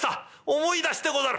思い出してござる！」。